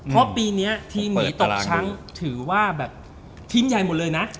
เพราะปีนี้ทีมหมีตกชั้นถือว่าแบบทีมใหญ่หมดเลยนะ